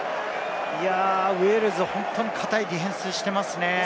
ウェールズ、本当に堅いディフェンスをしていますね。